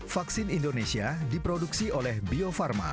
vaksin indonesia diproduksi oleh bio farma